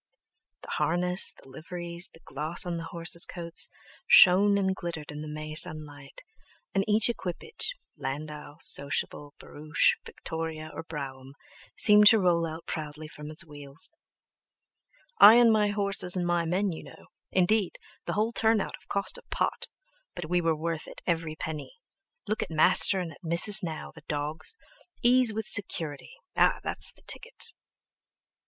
The harness, the liveries, the gloss on the horses' coats, shone and glittered in the May sunlight, and each equipage, landau, sociable, barouche, Victoria, or brougham, seemed to roll out proudly from its wheels: "I and my horses and my men you know, Indeed the whole turn out have cost a pot. But we were worth it every penny. Look At Master and at Missis now, the dawgs! Ease with security—ah! that's the ticket!"